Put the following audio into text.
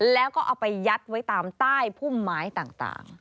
แล้วก็เอาไปยัดไว้ตามใต้พุ่มไม้ต่าง